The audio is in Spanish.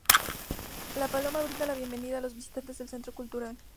La Paloma brinda la bienvenida a los visitantes al centro cultural.